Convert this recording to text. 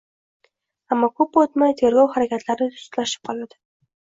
Ammo ko‘p o‘tmay tergov harakatlari sustlashib qoladi.